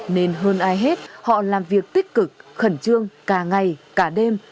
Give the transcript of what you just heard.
nên hơn ai hết họ làm việc tích cực khẩn trương cả ngày cả đêm